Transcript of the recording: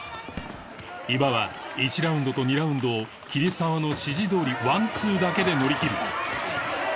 伊庭は１ラウンドと２ラウンドを桐沢の指示どおりワンツーだけで乗りきる